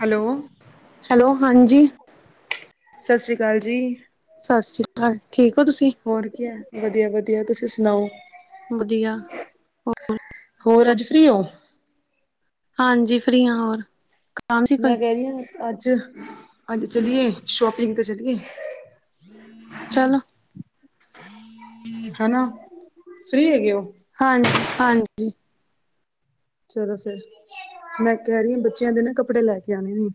Hello [unintelligible] hello ਹਾਂਜੀ ਸਤਿ ਸ਼੍ਰੀ ਅਕਾਲ ਜੀ। ਸਤਿ ਸ਼੍ਰੀ ਅਕਾਲ [unintelligible] ਠੀਕ ਓਂ ਤੁਸੀਂ। ਹੋਰ ਕੀ ਹਾਲ ਵਧੀਆ ਵਧੀਆ। ਤੁਸੀਂ ਸੁਣਾਓ। ਵਧੀਆ। ਹੋਰ ਅੱਜ ਫ੍ਰੀ ਹੋ। ਹਾਂਜੀ ਫ੍ਰੀ ਆਂ ਹੋਰ। ਕੰਮ ਸੀ ਕੋਈ ਮੈਂ ਕਹਿ ਰਹੀ ਹਾਂ ਅੱਜ ਅੱਜ ਚਲੀਏ ਸ਼ੋਪਿੰਗ ਤੇ ਚੱਲੀਏ। ਚਲੋ। ਹੈਨਾ ਫ੍ਰੀ ਹੈਗੇ ਉਹ ਹਾਂਜੀ ਹਾਂਜੀ ਚਲੋ ਫਿਰ ਮੈਂ ਇਕ ਵਾਰੀ ਬੱਚਿਆਂ ਦੇ ਨਾ ਕੱਪੜੇ ਲੈ ਕੇ ਆਉਣੀ ਆਂ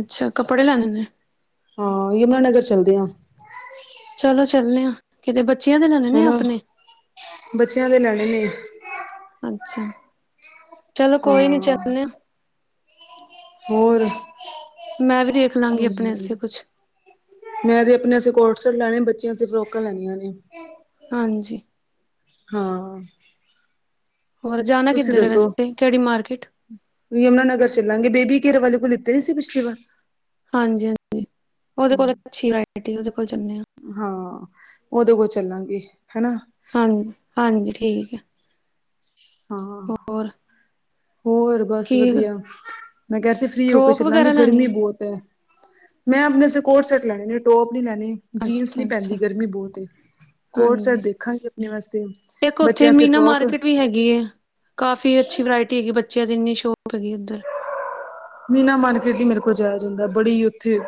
ਅੱਛਾ ਕੱਪੜੇ ਲੈਣੇ ਨੇ ਹਾਂ ਯਮੁਨਾਾਨਗਰ ਚੱਲਦੇ ਆ ਚਲੋ ਚੱਲਣੇ ਆਾਂ ਕਿਤੇ ਬੱਚਿਆਂ ਦੇ ਲੈਣੇ ਨੇ ਕੇ ਹਨਾ, ਆਪਣੇ ਬੱਚਿਆਂ ਦੇ ਲੈਣੇ ਨੇ ਅੱਛਾ ਚਲੋ ਕੋਈ ਨੀ ਹਾਂ, ਚੱਲਣੇ ਆ ਹੋਰ ਮੈਂ ਵੀ ਦੇਖ ਲਾਂਗੀ ਅਪਣੇੇ ਅਸਤੇ ਕੁਛ। ਮੈਂ ਤੇ ਅਪਨੇ ਅਸਤੇ ਕੋੜ ਸੇਟ ਲੈਣੇ, ਬੱਚੇਆਂ ਆਸੇ ਫਰੋਕਾਂ ਲੈਨੀਆਂ ਨੇ। ਹਾਂਜੀ। ਹਾਂ ਹੋਰ ਜਾਣਾ ਤੁਸੀਂ ਕਿੱਧਰ ਹੈ ਦੱਸੋ? ਵੈਸੇ ਕਿਹੜੀ ਮਾਰਕੀਟ ਯਮੁਨਾਨਗਰ ਚੱਲਾਂਗੇ ਬੇਬੀ ਕੇਅਰ ਵਾਲੇ ਕੋਲ ਲਿੱਤੇ ਨਈ ਸੀ ਪਿਛਲੀ ਵਾਰ। ਹਾਂਜੀ ਹਾਂਜੀ ਉਹਦੇ ਕੋਲ ਇੱਕ ਅੱਛੀ ਵਰਾਇਟੀ ਉਹਦੇ ਕੋਲ ਜਾਣੇ ਹਾਂ। ਹਾਂ ਉਦੇ ਕੋੋਲ ਚੱਲਾਂਗੇ ਹਨਾ। ਹਾਂਜੀ ਹਾਂਜੀ ਠੀਕ ਏ। ਹਾਂ [unintelligible] ਹੋਰ। ਬਸ ਕੀ ਵਧੀਆ ਮੈਂ ਕਿਹਾ ਸੀ ਫ੍ਰੀ ਹੋ ਕੇ ਫਰੋਕ ਚੱਲਾਂਗੇ ਵਗੈਰਾ ਲੈਣੀ ਗਰਮੀ ਬਹੁਤ ਏ। ਹੈ। ਮੈਂ ਆਪਣੇ ਸੇ ਕੋਟ ਸੈਟ ਲੈਣੇ ਨੇ ਟੋਪ ਨੀ ਲੈਣੀ। ਆ ਜੀਨਸ ਅੱਛਾ ਨੀਂ ਅੱਛਾ ਪੈਂਦੀ ਗਰਮੀ ਬੋਤ ਏ। ਕੋੜ ਸੇਟ ਹਾਂਜੀ ਦੇਖਾਂਗੇ ਅਪਨੇ ਵਾਸਤੇ, ਬੱਚੇਆਂ ਵਾਸਤੇ ਫ੍ਰੋਕ। ਕਾਫੀ ਅੱਛੀ ਵਰਾਇਟੀ ਹੈਗੀ, ਬੱਚੇਆਂ ਦੀ ਇੰਨੀ ਸ਼ੋਪ ਹੈਗੀ ਓਦਰ। ਮੀਨਾ ਮਾਰਕੀਟ ਨੀ ਮੇਰ ਕੋਲ ਜਾਏਆ ਜਾਂਦਾ ਬੜੀ ਓਥੇ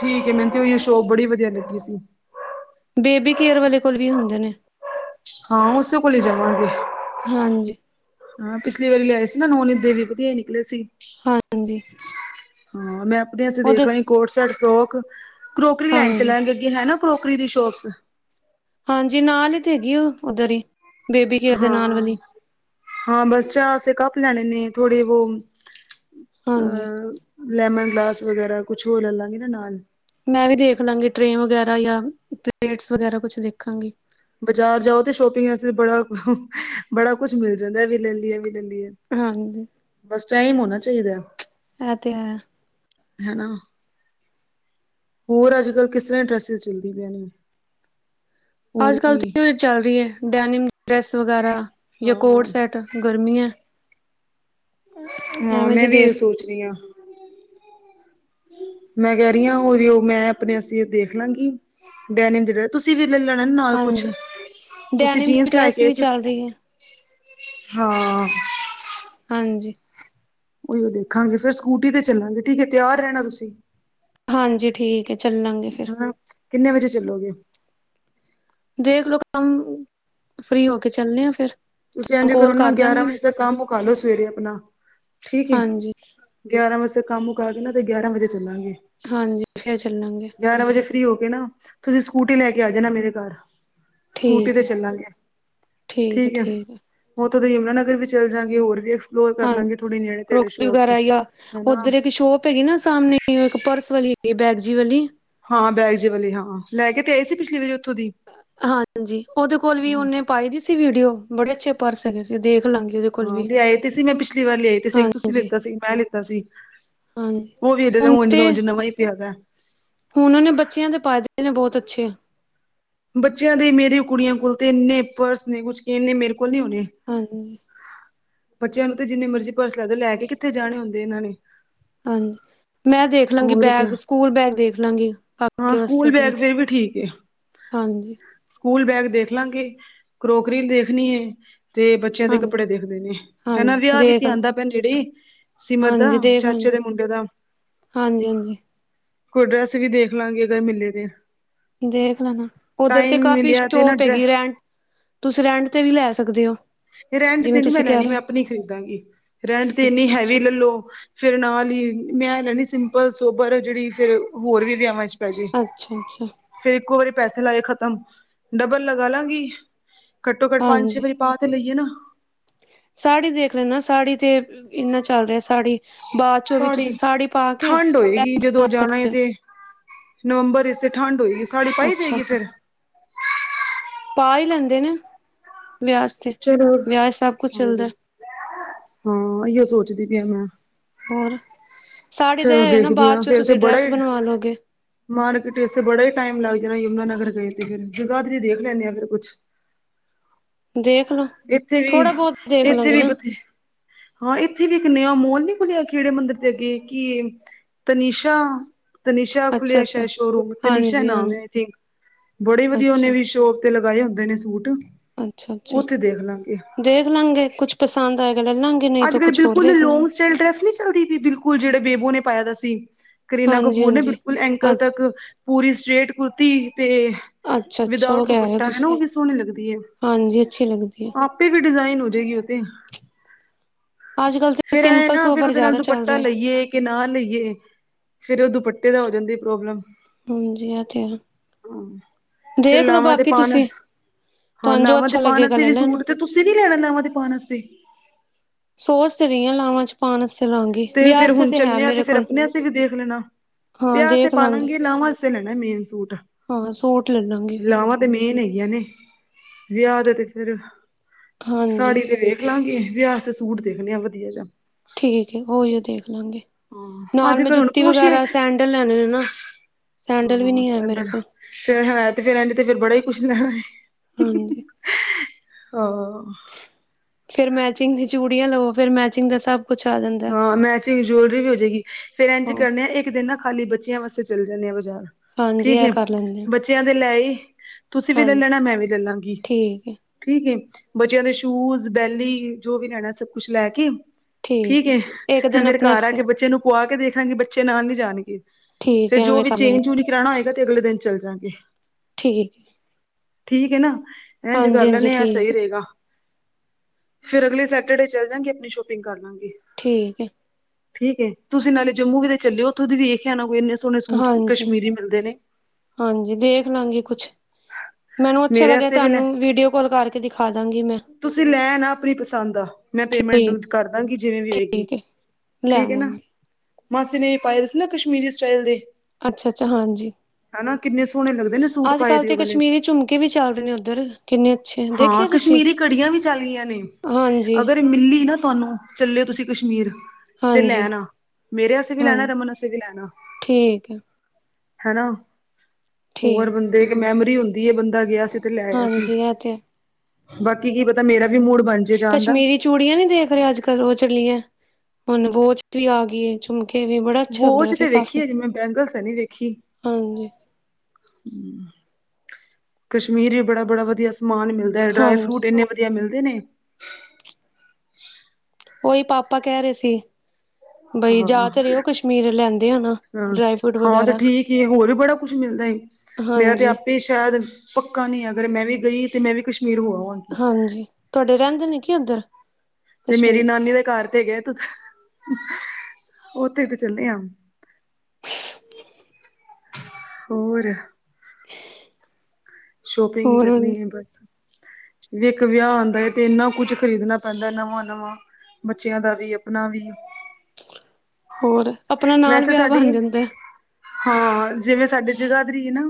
ਠੀਕ ਏ, ਮੈਨੂੰ ਤੇ ਓਈ ਓ ਸ਼ੋਪ ਬੜੀ ਵਦੀਆ ਲੱਗੀ ਸੀ। ਬੇਬੀ ਕੇਅਰ ਵਾਲੇ ਕੋਲ ਵੀ ਹੂੰਦੇ ਨੇ। ਹਾਂ, ਓਸੇ ਕੋਲੇ ਈ ਜਾਵਾਂਗੇ। ਹਾਂਜੀ। ਹਾਂ ਪਿਛਲੀ ਵਾਰੀ ਲਿਆਏ ਸੀ ਨਾ, ਨੋਨੀ ਦੇ ਵੀ ਵਦੀਆ ਏ ਨਿਕਲੇ ਸੀ। ਹਾਂਜੀ। ਹਾਂ, ਮੈਂ ਆਪਨੇ ਆਸੇ ਉਹਦੇ ਦੇਖ ਲਾਂਗੀ ਕੋੜ ਸੇਟ ਫ੍ਰੋਕ, ਕਰੋਕਰੀ ਲੈਨ ਹਾਂਜੀ, ਚਲਾਂਗੇ ਹੈ ਨਾ ਕਰੋਕਰੀ ਦੀ ਸ਼ੋਪਸ। ਹਾਂਜੀ, ਨਾਲ ਈ ਤੇ ਹੈਗੀ ਏ ਊ ਓਦਰ ਈ। ਹਾਂ, ਹਾਂ ਬਸ ਚਾਹ ਆਸੇ ਕੱਪ ਲੈਣੇ ਨੇ ਥੋੜੇ ਵੋ ਹਾਂਜੀ ਅ ਲੈਮੇਨ ਗਲਾਸ ਵਗੈਰਾ, ਕੁਛ ਓ ਲੈ ਲਾਂਗੇ ਨਾ ਨਾਲ। ਮੈਂ ਵੀ ਦੇਖ ਲਾਂਗੀ ਟ੍ਰੇ ਵਗੈਰਾ ਯਾ, ਪਲੇਟਸ ਵਗੈਰਾ ਕੁਛ ਦੇਖਾਂਗੀ। ਬਜਾਰ ਜਾਓ ਤੇ ਸ਼ੋਪਿੰਗ ਵਾਸਤੇ ਬੜਾ, ਬੜਾ ਕੁਛ ਮਿਲ ਜਾਂਦੈ ਐ ਵੀ ਲੈ ਲੀਏ ਐਵੀ ਲੈ ਲੀਏ। ਹਾਂਜੀ। ਬਸ ਟਾਈਮ ਹੋਨਾ ਚਾਈਦੈ। ਐ ਤੇ ਹੈ। ਹੈਨਾ। ਹੋਰ, ਆੱਜ-ਕੱਲ ਕਿਸ ਤਰਾਂ ਡਰੈਸਿਸ ਚੱਲਦੀ ਪੇਆਨੀ? ਆੱਜ ਕੱਲ ਤਾਂ ਏ ਈਓ ਚੱਲ ਰੀ ਐ, ਡੈਨੀਮ ਡਰੈਸ ਵਗੈਰਾ ਯਾ ਕੋੜ ਹਾਂ ਸੈਟ ਗਰਮੀ ਐ। ਹਾਂ, ਐਵੇਂ ਜੇ ਮੈਂ ਵੀ ਏ ਦੇਖ ਸੋਚ ਰੀ ਆਂ। ਮੈਂ ਕੈ ਰੀ ਆਂ ਓਹੀ ਓ, ਮੈਂ ਆਪਨੇ ਆਸੇ ਦੇਖ ਲਾਂਗੀ ਡੈਨੀਮ ਜੇੜਾ ਤੁਸੀਂ ਵੀ ਲ ਲੈਣਾ ਨਾ ਨਾਲ ਕੋਛ, ਹਾਂਜੀ ਤੁਸੀਂ ਡੈਨਿਮ ਦੀ ਜੀਨਸ ਡਰੈਸ ਲੈਕੇ ਆਏ ਵੀ ਸੀ। ਚੱਲ ਰਹੀ ਹੈ। ਹਾਂ। ਹਾਂਜੀ। ਓਈ ਓ ਦੇਖਾਂਗੇ ਫੇਰ ਸੂਕੂਟੀ ਤੇ ਚੱਲਾਂਗੇ ਠੀਕ ਏ, ਤੇਆਰ ਰੈਣਾ ਤੁਸੀਂ। ਹਾਂਜੀ, ਠੀਕ ਏ ਚੱਲਾਂਗੇ ਫੇਰ। ਹਨਾ ਕਿੰਨੇ ਵਜੇ ਚੱਲੋਗੇ? ਦੇਖਲੋ ਕੰਮ, ਫ੍ਰੀ ਹੋ ਕੇ ਚੱਲ ਨੇ ਆ ਫੇਰ। ਤੁਸੀਂ ਐਂਜ ਕਰੋ ਨਾ ਗੇਆਰਾਂ ਵਜੇ ਤੱਕ ਕੰਮ ਮੂਕਾਲੋ ਸਵੇਰੇ ਅਪਨਾ, ਠੀਕ ਏ। ਹਾਂਜੀ, ਗੇਆਰਾਂ ਵਜੇ ਤਕ ਕੰਮ ਮੂਕਾਲੋ ਨਾ, ਤਾਂ ਗੇਆਰਾਂ ਵਜੇ ਚੱਲਾਂਗੇ। ਹਾਂਜੀ, ਫੇਰ ਚੱਲਾਂਗੇ। ਗੇਆਰਾਂ ਵਜੇ ਫ੍ਰੀ ਹੋ ਕੇ ਨਾ, ਤੁਸੀ ਸੁਕੂਟੀ ਲੈ ਕੇ ਆ ਜਾਨਾ ਮੇਰੇ ਘਾਰ। ਸੁਕੂਟੀ ਠੀਕ ਤੇ ਹੈ, ਚੱਲਾਂਗੇ ਠੀਕ ਐ। ਓਥੋਂ ਦੀ ਯਮਨਾਨਗਰ ਵੀ ਚਲੇ ਜਾਂਗੇ, ਹੋਰ ਵੀ ਐਕਸਪਲੋਰ ਕਰ ਹਾਂਜੀ ਲਾਂਗੇ ਥੋੜੀ ਨੇੜੇ, ਤੇੜੇ ਸ਼ੋਪਸ ਹੈਨਾ। ਪੈਗੀ ਨਾ ਸਾਹਮਣੇ ਇੱਕ ਪਰਸ ਵਾਲੀ ਹੈਗੀ ਬੈਗ ਜੀ ਵਾਲੀ ਹਾਂ ਬੈਗ ਜੇ ਵਾਲੀ ਹਾਂ ਲੈ ਕੇ ਤੇ ਆਏ ਸੀ ਪਿਛਲੀ ਵਾਰੀ ਉੱਥੋਂ ਦੀ ਹਾਂਜੀ ਉਹਦੇ ਕੋਲ ਵੀ ਹਾਂ ਉਹਨੇ ਪਾਈ ਦੀ ਸੀ ਵੀਡੀਓ ਬੜੇ ਅੱਛੇ ਪਰ ਸਕੇ ਸੀ ਦੇਖ ਲਾਂਗੇ ਉਹਦੇ ਕੋਲ ਹਾਂ,, ਵੀ ਲਿਆਏ ਤੇ ਸੀ ਮੈਂ ਪਿਛਲੀ ਵਾਰ ਲਿਆਈ ਤੇ ਸੀ, ਇੱਕ ਤੁਸੀਂ ਹਾਂਜੀ, ਲਿੱਤਾ ਸੀ ਇੱਕ ਮੈਂ ਲਿੱਤਾ ਸੀ। ਹਾਂਜੀ [unintelligible] ਹੁਨ ਓਨੇ ਬੱਚੇਆਂ ਦੇ ਪਾਏ ਦੇ ਨੇ ਬੋਤ ਅੱਛੇ। ਬੱਚੇਆਂ ਦੇ ਮੇਰੇ ਕੁੜੀਆਂ ਕੋਲ ਤੇ ਏਨੇ ਪਰਸ ਨੇ, ਕੁਝ ਏਨੇ ਮੇਰੇ ਕੋਲ ਨੀ ਹੋਨੇ। ਹਾਂਜੀ। ਬੱਚੇਆਂ ਨੂੰ ਤੇ ਜਿੰਨੀ ਮਰਜੀ ਪਰਸ ਲੈਦੋ, ਲੈ ਕੇ ਕਿੱਥੇ ਜਾਣੇ ਹੁੰਦੇ ਏਨਾਂ ਨੇ। ਹਾਂਜੀ, ਮੈਂ ਦੇਖ ਲਾਂਗੀ ਹੋਰ ਬੈਗ ਕਿਆ ਸੁਕੂਲ ਬੈਗ ਦੇਖ ਲਾਂਗੀ, ਹਾਂ ਕਾਕੇ ਵਾਸਤੇ ਸਕੂਲ ਬੈਗ ਅਪਨੇ। ਫੇਰ ਵੀ ਠੀਕ ਏ। ਹਾਂਜੀ। ਸਕੂਲ ਬੈਗ ਦੇਖ ਲਾਂਗੇ ਕਰੋਕਰੀ ਦੇਖਣੀ ਹੈ ਤੇ ਬੱਚਿਆਂ ਦੇ ਹਾਂਜੀ, ਕੱਪੜੇ ਦੇਖਦੇ ਨੇ ਹਨਾ ਹਾਂਜੀ ਵਿਆਹ ਵੀ ਧ ਦੇਖ ਆਉਂਦਾ ਭੈਣ ਜਿਹੜੇ ਸਿਮਰ ਦਾ ਚਾਚੇ ਦੇ ਮੁੰਡੇ ਦਾ ਹਾਂਜੀ ਹਾਂਜੀ ਕੋਈ ਡਰੈੱਸ ਵੀ ਦੇਖ ਲਾਂਗੇ ਮਿਲੇ ਦੇ ਦੇਖ ਲੈਣਾ ਉਓਧਰ ਤੇ ਕਾਫੀ ਮਿਲਿਆ ਤੇ ਨਾ ਸ਼ੋਪ ਡਰੈ ਹੈਗੀ ਰਹਿਣ ਤੁਸੀ ਰੈਂਟ ਤੇ ਵੀ ਲੈ ਸਕਦੇ ਹੋ ਰੈਂਟ ਤੇ ਜਿਵੇਂ ਨੀ ਮੈਂ ਤੁਸੀਂ ਕਹਿ ਲੈਣੀ ਰਹੇ ਮੈਂ ਆਪਣੀ ਖਰੀਦਾਂਗੀ ਰੈਂਟ ਤੇ ਹੋ ਇੰਨੀ ਹੈਵੀ ਅੱਛਾ-ਅੱਛਾ, ਲੈ ਲੋ ਫੇਿਰ ਨਾਲ ਹੀ ਮੈਂ ਰਹਿੰਦੀ ਸਿੰਪਲ ਸੋਬਰ ਜਿਹੜੀ ਫੇਰ ਹੋਰ ਵੀ ਵਿਆਵਾਂ ੈ ਜ ਅੱਛਾ-ਅੱਛਾ ਫੇਰ ਇੱਕੋ ਵਾਰੀ ਪੈਸੇ ਲਾਏ ਖਤਮ ਡਬਲ ਲਗਾ ਲਾਂਗੀ ਘੱਟੋ ਘੱਟ ਪੰਜ ਛੇ ਹਾਂਜੀ। ਵਜੇ ਪਾ ਤੇ ਲਈਏ ਨਾ ਸਾੜੀ ਦੇਖ ਲੈ ਨਾ ਸਾੜੀ ਤੇ ਇੰਨਾ ਚੱਲ ਰਿਹਾ ਸਾੜੀ ਬਾਅਦ ਚੋਂ ਵੀ ਤੁਸੀਂ ਸਾੜੀ ਪਾ ਕੇ ਠੰਡ ਹੋਏਗੀ ਜਦੋਂ ਜਾਣਾ ਸਕਦੇ ਤੇ ਨਵੰਬਰ ਇਸੇ ਠੰਡ ਹੋਏਗੀ ਸਾੜੀ ਹੋ ਪਾਈ ਅੱਛਾ ਜਾਏਗੀ ਫਿਰ ਪਾ ਹੀ ਲੈਂਦੇ ਨੇ ਵਿਆ ਤੇ ਜ਼ਰੂਰ ਵਿਆਹ ਸਭ ਕੁਛ ਚੱਲਦਾ ਹਾਂ ਹਾਂ ਇਹੀਓ ਸੋਚਦੀ ਪ ਆ ਮੈਂ ਹੋਰ ਸਾੜੀ ਚਲੋ ਦਾ ਨਾ ਦੇਖਦੀ ਬਾਅਦ ਹਾਂ ਚ ਫੇਰ ਤੇ ਤੁਸੀਂ ਬੜਾ ਡਰੈਸ ਹੀ ਬਣਵਾ ਲਓਗੇ ਮਾਰਕੀਟ ਇਸੇ ਬੜਾ ਹੀ ਟਾਈਮ ਲੱਗ ਜਾਣਾ ਯਮੁਨਾਾਨਗਰ ਗਏ ਤੇ ਫਿਰ ਜਗਾ ਤੇਰੀ ਦੇਖ ਲੈਂਦੇ ਹਾਂ ਫਿਰ ਕੁਛ ਦੇਖਲੋ ਇੱਥੇ ਵੀ ਇੱਥੇ ਵੀ ਬਥੇ ਹਾਂ ਇੱਥੇ ਵੀ ਇੱਕ ਨਵ ਮੋਲ ਨੀ ਖੁੱਲਿਆ ਖੇੜੇ ਮੰਦਿਰ ਤੇ ਅੱਗੇ ਕਿ ਤ ਨਿਸ਼ਾ ਤਨੀਸ਼ਾ ਅੱਛਾ ਖੁੱਲਿਆ ਅੱਛਾ ਸ਼ਾਇਦ ਸ਼ੋਰੂਮ ਤਨੀਸ਼ਾ ਹਾਂਜੀ ਨ ਹਾਂਜੀ ਆਈ ਥਿੰਕ ਬੜੇ ਵਧੀਆ ਉਹਨੇ ਅੱਛਾ ਵੀ ਸ਼ੋ ਤੇ ਲਗਾਏ ਹੁੰਦੇ ਨੇ ਸੂਟ ਅੱਛਾ ਅੱਛਾ ਉੱਥੇ ਦੇਖ ਲਾਂਗੇ ਦੇਖ ਲਾਂਗੇ ਕੁੱਛ ਪਸੰਦ ਆਏਗਾ ਲੈ ਲਾਂਗੇ ਨਹੀਂ ਅੱਜ ਤਾਂ ਕੱਲ ਕੁਛ ਹੋਰ ਬਿਲਕੁਲ ਦੇਖ ਲੌਗ ਲਾਂਗੇ ਸਟਾਈਲ ਡਰੈਸ ਵਿੱਚ ਚਲਦੀ ਵੀ ਬਿਲਕੁਲ ਜਿਹੜੇ ਬੇਬੋ ਨੇ ਪਾਇਆ ਦਾ ਸੀ ਕਰੀਨਾ ਹਾਂਜੀ ਕਪੂਰ ਨੇ ਹਾਂਜੀ ਬਿਲਕੁਲ ਐਂਕਲ ਅੱ ਤੱਕ ਪੂਰੀ ਸਟ੍ਰਰੇਟ ਕੁੜਤੀ ਅਤੇ ਅੱਛਾ ਅੱਛਾ ਉਹ ਵਿਦਊਟ ਕਹਿ ਰਹੇ ਹੋ ਦੁਪੱਟਾ ਹੈਾ ਤੁਸੀਂ ਉਹ ਵੀ ਸੋਹਣੀ ਲੱਗਦੀ ਹੈ ਹਾਂਜੀ ਅੱਛੀ ਲੱਗਦੀ ਹੈ ਆਪ ਆਪੇ ਵੀ ਡਿਜ਼ਾਇਨ ਹੋ ਜਾਏਗੀ ਉਹੇ [unintelligible] [inaudible] ਤੇ ਫੇਰ ਇਹਂ ਸਿੰਪਲ ਨਾ ਫੇਰ ਸੋਬਰ ਉਹਦੇ ਨਾਲ ਜ਼ਿਆਦਾ ਚੱਲ ਦੁਪੱਟਾ ਰਿਹਾ ਲਈਏ ਕਿ ਨਾ ਲਈਏ ਫਿਰ ਉਹ ਦੁਪੱਟੇ ਦਾ ਹੋ ਜਾਂਦੀ ਪ੍ਰੋਬਲਮ ਹਾਂਜੀ ਆ ਤੇ ਹਾਂ ਫੇਰ ਦੇਖ ਲੋ ਲਾਵਾਂ ਤੇ ਬਾਕੀ ਪਾਣ ਤੁਸੀਂ ਹਾਂ ਤੁਹਾਨੂੰ ਜੋ ਲਾਵਾਂ, ਤੇ ਅੱਛਾ ਪਾਣ ਲੱਗੇਗਾ ਅਸੀਂ ਲੈ ਵੀ ਲੈਣਾ ਸੂਟ ਤੇ, ਤੁਸੀਂ ਨੀ ਲੈਣਾ ਨਾਵਾਂ ਦੇ ਪਾਨ ਆਸਤੇ, ਸੋਚ ਤੇ ਰਹੀਆਂ ਲਾਵਾਂ ਚ, ਪਾਉਣ ਵਾਸਤੇ ਲਾਂਗੀ ਤੇ ਵਿਆਹ ਫੇਰ ਵਾਸਤੇ ਹੁਣ ਹੈ ਚੱਲੇ ਆ ਤੇ ਮੇਰੇ ਫੇਰ, ਕੋਲ ਆਪਣੇ ਆਸਤੇ ਵੀ ਦੇਖ ਲੈਣਾ। ਹਾਂ ਵਿਆਹਸੇ ਦੇਖ ਲਾਂਗੇ ਪਾਲਾਂਗੇ ਲਾਵਾਂਸੇ ਲੈਣਾ ਮੇਨ ਸੂਟ ਹਾਂ ਸੂਟ ਲੈ ਲਾਂਗੇ ਫਿਰ ਲਾਵਾਂ, ਤੇ ਮੇਨ ਹੈਗੀਆਂ ਨੇ ਵਿਆਹ ਦਾ ਤੇ ਫੇਰ ਹਾਂਜੀ ਸਾੜੀ ਤੇ, ਦੇਖਲਾਂਗੇ ਵਿਆਹ ਸੂਟ ਦੇਖਣੇ ਆ ਵਧੀਆ ਜਾ, ਠੀਕ ਐ ਹੋਈ ਦੇਖ ਲਾਂਗੇ। ਹਾਂ ਨਾਲ ਅੱਜ ਮੈਂ ਕੱਲ ਹੁਣ ਜੁੱਤੀ ਕੁਛ ਏ ਵਗੈਰਾ ਸੈਂਡਲ ਲੈਣੇ ਨੇ ਨਾ ਸੈਂਡਲ ਵੀ ਹਾਂ ਨੀ ਹੈ, ਮੇਰੇ ਇਧਰ ਕੋਲ ਫੇਰ ਹੈ ਫਿਰ ਇਹੇ ਤੇ ਫਰ ਬੜਾ ਹੀ ਕੁੱਛ ਲੈਣਾ ਹਾਂਜੀ [unintelligible] [inaudible] ਫਿਰ ਮੈਚਿੰਗ ਦੀ ਚੂੜੀਆਂ ਲਵੋ ਫਿਰ ਮੈਚਿੰਗ ਦਾ ਸਭ ਕੁਚ ਆ ਜਾਂ ਹਾਂ ਮੈਚਿੰਗ ਜੁੈਲਰੀ ਵੀ ਹੋ ਜਾਏਗੀ, ਫੇਰ ਇੰਝ ਹੋਰ ਕਰਨੇ ਆ ਇੱਕ ਦਿਨ ਨਾ- ਖਾਲੀ ਬੱਚਿਆਂ ਵਾਸਤੇ ਚੱਲ ਜਾਂਦੇ ਆ ਬਾਜ਼ਾਰ, ਹਾਂਜੀ ਠੀਕ ਇਹ ਏ ਕਰ ਲੈਂਦੇ ਹਾਂ ਬੱਚਿਆਂ ਦੇ ਲੈ ਤੁਸੀਂ ਵੀ ਲੈ ਹਾਂਜੀ ਲੈਣਾ ਮੈਂ ਵੀ ਲੈ ਲਾਂਗੀਂ ਠੀਕ ਹੈ ਠੀਕ ਏ ਬੱਚਿਆਂ ਦੇ ਸ਼ੂਜ ਬੈਲੀ ਜੋ, ਵੀ ਲੈਣਾ ਸਭ ਕੁਛ ਲੈ ਕੇ। ਠੀਕ ਹੈ ਏ ਇੱਕ ਦਿਨ ਫੇਰ ਆਪਣੇ ਘਰ ਆ ਵਾਸਤੇ ਕੇ ਬੱਚੇ ਨੂੰ ਖਵਾ ਕੇ ਦੇਖਾਂਗੇ, ਬੱਚੇ ਨਾਲ ਨੀ ਜਾਣਗੇ ਠੀਕ ਫੇਰ ਹੈ ਜੋ ਐਵੇਂ ਵੀ ਕਰ ਲੈਂਦੇ ਚੇਂਜ ਹੋਣੀ। ਰਹਿਣਾ ਹੋਏਗਾ ਤੇ ਅਗਲੇ ਦਿਨ ਚੱਲ ਜਾਗੇ, ਠੀਕ ਹੈ, ਠੀਕ ਹੈ, ਨਾ ਇਝ ਹਾਂਜੀ ਕਰ ਹਾਂਜੀ ਲੈਣੇ ਆ ਸਹੀ ਠੀਕ ਹੈ ਰਹੇਗਾ। ਫੇਰ ਅਗਲੇ ਸੈਟਰਡੇ ਚੱਲ ਜਾਂਗੇ ਆਪਣੀ ਸ਼ੋਪਿੰਗ ਕਰ ਲਾਂਗੇ। ਠੀਕ ਹੈ, ਠੀਕ ਹੈ ਤੁਸੀਂ ਨਾਲੇ ਜੰਮੂ ਕਿ ਚੱਲਿਓ, ਉੱਥੋਂ ਦੀ ਵੀ ਵੇਖ ਨਾ ਕੋਈ ਇੰਨੇ ਸੋਹਣੇ ਸੂਟ ਹਾਂਜੀ ਕਸ਼ਮੀਰੀ ਮਿਲਦੇ ਨੇ, ਹਾਂਜੀ ਦੇਖ ਲਾਂਗੀ, ਕੁੱਛ ਮੈਨੂੰ ਅੱਛਾ ਮੇਰੇ ਲੱਗਿਆ ਆਸਤੇ ਵੀ ਲੈ ਤੁਹਾਨੂੰ ਵੀਡੀਓ ਕਾਲ ਕਰਕੇ ਖਾ ਦਾਂਗੀ ਮੈਂ, ਤੁਸੀਂ ਲੈ ਨਾ ਆਪਣੀ ਪਸੰਦ ਆ ਮੈਂ ਠੀਕ ਪੇਮੈਂਟ ਕਰ ਦਾਂਗੀ, ਜਿਵੇਂ ਵੀ ਹੋਏਗੀ। ਠੀਕ ਹੈ ਲੈ ਆਵਾਂਗੇ, ਮਾਸੀ ਨੇ ਪਾਏ ਸੀ ਨਾ ਕਸ਼ਮੀਰੀ ਸਟਾਈਲ ਦੇ, ਅੱਛਾ-ਅੱਛਾ, ਹਾਂਜੀ ਹਨਾ ਕਿੰਨੇ ਸੋਹਣੇ ਲੱਗਦੇ ਨੇ ਸੂਟ ਪਾਏ ਅੱਜ-ਕੱਲ ਦੇ ਤੇ ਉਹ ਵਾਲੇ। ਕਸ਼ਮੀਰੀ ਝੁਮਕ ਵੀ ਚੱਲ ਰਹੇ ਨੇ ਉੱਧਰ ਕਿੰਨੇ, ਅੱਛੇ ਹਾਂ ਦੇਖੇ ਤੁਸੀਂ ਕਸ਼ਮੀਰੀ ਘੜੀਆਂ ਵੀ ਚੱਲ ਗਈਆਂ, ਨੇ ਹਾਂਜੀ ਅਗਰ ਮਿੱਲੀ ਨਾ ਤੁਹਾਨੂੰ ਚੱਲੇ ਤੁਸੀਂ ਕਸ਼ਮੀਰ, ਤੇ ਹਾਂਜੀ ਲੈਣਾ ਮੇਰੇਸ ਵੀ ਹਾਂ ਲੈਣਾ, ਰਮਨ ਵਸ ਵੀ ਲੈਣਾ ਠੀਕ ਹੈ ਹਨਾ ਹੋਰ ਠੀਕ ਬੰਦੇ ਇੱਕ ਮੈਮਰੀ ਹੁੰਦੀ ਹੈ, ਬੰਦਾ ਗਿਆ ਸੀ। ਤੇ ਲੈ ਆਇਆ ਸੀ ਹਾਂਜੀ ਆ ਤੇ, ਬਾਕੀ ਕੀ ਪਤਾ ਮੇਰਾ ਵੀ ਮੂਡ ਬਣ ਜਾ, ਕਸ਼ਮੀਰੀ ਚੂੜੀਆਂ ਨੀ ਦੇਖ ਰਹੇ, ਅੱਜ-ਕੱਲ ਉਹ ਚੱਲੀਆਂ ਹੁਣ ਔ ਚ ਵੀ ਆ ਗਈ। ਝੁਮਕੇ ਵੀ ਬੜਾ, ਵੋ ਅੱਛਾ ਉੱਧਰ ਚ ਤੇ ਵੇਖੀ ਕਾਫੀ ਆ ਜਿਵੇਂ ਬੈਂਗਲਸ ਨੀ ਵੇਖੀ। ਹਾਂਜੀ ਕਸ਼ਮੀਰ ਵੀ ਬੜਾ-ਬੜਾ ਵਧੀਆ ਸਮਾਨ ਮਿਲਦਾ। ਤੇ ਡਰਾਈ ਫਰੂਟ ਹਾਂਜੀ ਇੰਨੇ ਵਧੀਆ ਮਿਲਦੇ ਨੇ, ਉਹੀ ਪਾਪਾ ਕਹਿ ਰਹੇ ਸੀ। ਬਾਈ ਹਾਂ ਜ਼ਿਆਤਰ ਇਹ ਉਹ ਕਸ਼ਮੀਰ ਲੈਂਦੇ ਆ ਨਾ ਹਾਂ ਡਰਾਈ ਫਰੂਟ ਹਾਂ ਤੇ ਵਗੈਰਾ। ਠੀਕ ਹੀ ਹੋਰ ਬੜਾ ਕੁਛ ਮਿਲਦਾ ਏ ਮੇਰਾ ਤੇ ਹਾਂਜੀ ਵੀ ਆਪੇ ਸ਼ਾਇਦ ਪੱਕਾ ਨਹੀਂ ਅਗਰ ਮੈਂ ਵੀ ਗਈ ਤਾਂ ਮੈਂ ਵੀ ਕਸ਼ਮੀਰ ਹੋਰੋਂ ਹਾਂਜੀ ਤੁਹਾਡੇ ਰਹਿੰਦੇ ਨੇ ਕੀ ਉੱਧਰ ਤੇ ਮੇਰੀ ਕਸ਼ਮੀਰ ਨਾਨੀ ਦੇ ਘਰ ਤੇ ਗਏ ਤੂੰ ਉਓਥੇ ਤੇ ਚੱਲੇ ਆ ਹੋਰ ਸ਼ੋਪਿੰਗ ਹੀ ਹੋਰ ਕਰਨੀ ਹੈ ਬਸ ਵੀ ਇੱਕ ਵਿਆਹ ਆਉਂਦਾ ਤੇ ਇਨਾ ਕੁਛ ਖਰੀਦਣਾ ਪੈਂਦਾ ਨਵਾਂ ਨਵਾਂ ਬੱਚਿਆਂ ਦਾ ਵੀ ਆਪਨਾ ਵੀ ਹੋਰ ਆਪਨੇ ਨਾਲ ਵੈਸੇ ਵਿਆਹ ਸਾਡੇ ਬਨ ਜਾਂਦੈ ਹਾਂ ਜਿਵੇਂ ਸਾਡੇ ਜਗਾਧਰੀ ਏ ਨਾ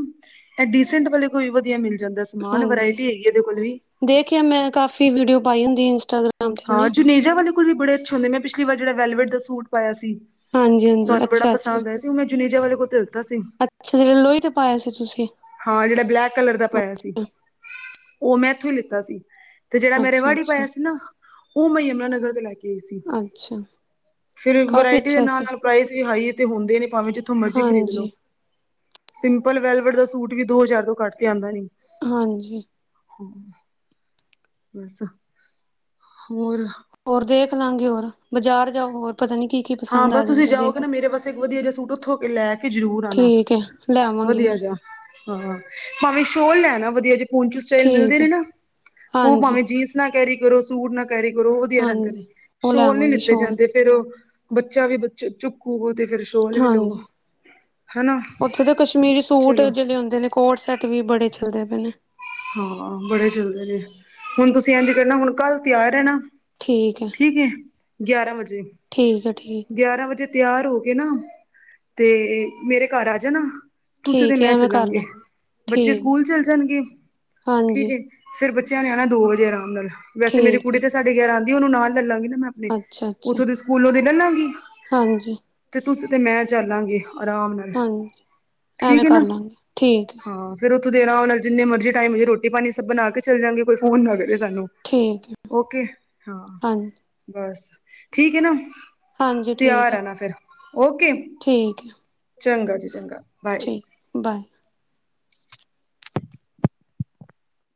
ਇਹ ਡੀਸੈਂਟ ਵਾਲੇ ਕੋ ਵਧੀਆ ਮਿਲ ਜਾਂਦਾ ਸਮਾਨ ਹਾਂਜੀ ਵਰਾਇਟੀ ਹੈਗੀ ਇਹਦੇ ਕੋਲ ਵੀ ਦੇਖਿਆ ਮੈਂ ਕਾਫੀ ਵੀਡੀਓ ਪਾਈ ਹੁੰਦੀ ਹੈ ਇੰਸਟਾਗ੍ਰਾਮ ਤੇ ਹਾਂ ਉਹਨੇ ਜੁੇਜਾੇ ਕੋਲ ਵੀ ਬੜੇ ਅੱਛ ਹੁੰ ਮੈਂ ਪਿਛਲੀ ਵਾਰਿਹੜਾ ਵੈਵਰਡ ਦਾੂਟ ਪਾਇਆ ਸੀ, ਹਾਂਜੀ ਹਾਂਜੀ ਤੁਹਾਨੂੰ ਬੜਾ ਅੱਛਾ ਅੱਛਾ ਪਸੰਦ ਆਇਆ ਸੀ ਉਹ ਮੈਂ ਜੁਨੀੇਜਾ ਵਾਲੇ ਕੋਲ ਧਿਲਤਾ ਸੀ। ਅੱਛਾ ਜਿਹੜਾ ਲੋਹੀ ਤੇ ਪਾਇਆ ਸੀ ਤੁਸੀਂ, ਹਾਂ ਜਿਹੜਾ ਬਲੈਕ ਕਲਰ ਦਾ ਪਾਇਆ ਸੀ, ਉਹ ਮੈਂ ਇੱਥੋਂ ਹੀ ਲਿੱਤਾ ਸੀ। ਤੇ ਜਿਹੜਾ ਮੇਰੇ ਅੱਛਾ ਵਾੜੀ ਅੱਛਾ ਪਾਇਆ ਸੀ, ਨਾ ਉਹ ਮੈਂ ਯਮੁਨਾਨਗਰ ਤੋਂ ਲੈ ਕੇ ਆਈ ਸੀ। ਅੱਛਾ ਫਿਰ ਕਾਫੀ ਵਰਾਇਟੀ ਦੇ ਅੱਛਾ ਸੀ ਨਾਲ-ਨਾਲ ਪ੍ਰਾਈਸ ਵੀ ਹਾਈ ਤੇ ਹੁੰਦੇ, ਨੇ ਭਾਵੇਂ ਜਿੱਥੋਂ ਮਰਜ਼ੀ ਖਰੀਦ ਲੋ। ਹਾਂਜੀ ਸਿੰਪਲ ਵੈਲਵਰ ਦਾ ਸੂਟ ਵੀ ਦੋ ਹਜ਼ਾਰ ਤੋਂ ਕੱਟ ਕੇ ਆਦਾ ਨੀ, ਹਾਂਜੀ ਹ ਬਸ ਹੋਰ ਹੋਰ ਦੇਖ ਲਾਂਗੇ ਹੋਰ ਬਾਜ਼ਾਰ ਜਾਓ ਹੋਰ ਪਤਾ ਨੀ ਕੀ ਕੀ ਹਾਂ ਪਸੰਦ ਬਸ ਆ ਤੁਸੀਂ ਜਾਂਦਾ ਜਾਓਗੇ ਦੇਖ ਨਾ ਮੇਰੇ ਵਸੇ ਇੱਕ ਵਧੀਆ ਜਾ ਸੂਟ ਉੱਥੋ ਲੈ ਕੇ ਜ਼ਰੂਰ ਆਨਾ ਠੀਕੇ ਲੈ ਵਾਂ ਵਧੀਆ ਜ ਹਾਂ ਭਾਵੇਂ ਸ਼ੋਲ ਲੈਨਾ ਵਧੀਆ ਜਾ ਪੂੰਚ ਸਟਾਈਲ ਮਿਲਦੇ ਠੀਕ ਨੇ ਹੈ ਨਾ ਉਹ ਹਾਂਜੀ ਭਾਵੇਂ ਜੀਨਸ ਨਾ ਕੈਰੀ ਕਰੋ ਸੂਟ ਨਾ ਕੈਰੀ ਕਰੋ ਉਹ ਵਧੀਆ ਰਹਿੰਦੇ ਹਾਂਜੀ ਨੇ ਉਹ ਸ਼ੋਲ ਨੀ ਲੈਵਾਂਗੀ ਲਿੱਤੇ ਸ਼ੋਲ ਜਾਂਦੇ ਫਿਰ ਉਹ ਬੱਚਾ ਵੀ ਬ ਚੁੱਕੂ ਬਹੋ ਤੇ ਫਿਰ ਹਾਂਜੀ ਉੱਥੇ ਦੇ ਕਸ਼ਮੀਰੀ ਸੂਟ ਚਲੋ ਜਿਹੜੇ ਹੁੰਦੇ ਨੇ ਕੋਰ ਸੈਟ ਵੀ ਬੜੇ ਚੱਲਦੇ ਪਏ ਨੇ ਹਾਂ ਬੜੇ ਚੱਲਦੇ ਨੇ ਹੁਨ ਤੁਸੀਂ ਐਂਝ ਕਰਨਾ ਹੁਨ ਕੱਲ ਤਿਆਰ ਰੈਨਾ ਠੀਕ ਏ ਠੀਕੇ ਗਿਆਰਾਂ ਵਜੇ ਹੈ ਠੀਕ ਗਿਆਰਾਂ ਵਜੇ ਤਿਆਰ ਹੋ ਕੇ ਨਾ ਤੇ ਮੇਰੇ ਘਰ ਆ ਜਾਨਾ ਤੁਸੀਂ ਤੇ ਠੀਕ ਹੈ ਮੈਂ ਐਵੇਂ ਕਰ ਚੱਲਾਂਗੇ ਲਾਂਗੀ ਬੱਚੇ ਸਕੂਲ ਠੀਕ ਚੱਲ ਜਾਨਗੇ ਠੀਕ ਹਾਂਜੀ ਫੇਰ ਬੱਚਿਆਂ ਨੇ ਆਨੈ ਦੋ ਵਜੇ ਆਰਾਮ ਨਾਲ ਵੈਸੇ ਮੇਰੀ ਠੀਕ ਹੈ ਕੁੜੀ ਸਾਡੇ ਗਯਾਰਾਂ ਆਂਦੀ ਓਹਨੂੰ ਨਾਲ ਲੈ ਲਾਂਗੀ ਨਾ ਮੈਂ ਅੱਛਾ ਅੱਛਾ ਉੱਥੋਂ ਦੇ ਸਕੂਲੋਂ ਦੇ ਲਾਲਾ ਗੀ ਹਾਂਜੀ ਤੇ ਤੁਸੀਂ ਤੇ ਮੈਂ ਚੱਲਾਂਗੇ ਆਰਾਮ ਨਾਲ ਹਾਂਜੀ ਠੀਕ ਐਵੇਂ ਏ ਕਰ ਨਾ ਲਾਂਗੇ ਠੀਕ ਹੈ ਹਾਂ ਫੇਰ ਉੱਥੋਂ ਦੇ ਆਰਾਮ ਨਾਲ ਜਿਨੇ ਮਰਜ਼ੀ ਟਾਈਮ ਜੇ ਰੋਟੀ ਪਾਨੀ ਸਭ ਬਨਾ ਕੇ ਚੱਲ ਜਾਂਗੇ ਕੋਈ ਫੋਨ ਨਾ ਕਰੇ ਸਾਨੂੰ ਠੀਕ ਹੈ ਓਕੇ ਹਾਂ ਹਾਂਜੀ ਬਸ ਠੀਕ ਏ ਨਾ ਹਾਂਜੀ ਤਿਆਰ ਠੀਕ ਹੈ ਰੈਨਾ ਫਿਰ ਓਕੇ ਠੀਕ ਹੈ ਚੰਗਾ ਜੀ ਚੰਗਾ ਬਾਏ ਠੀਕ ਬਾਏ